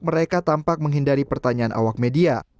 mereka tampak menghindari pertanyaan awak media